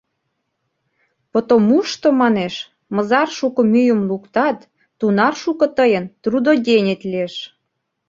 Потомушто, манеш, мызар шуко мӱйым луктат, тунар шуко тыйын трудоденет лиеш.